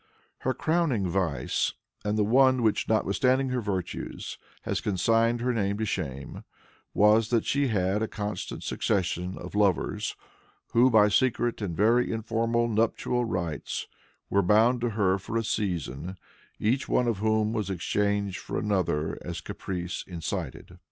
Her crowning vice, and the one which, notwithstanding her virtues, has consigned her name to shame, was that she had a constant succession of lovers who by secret and very informal nuptial rites were bound to her for a season, each one of whom was exchanged for another as caprice incited.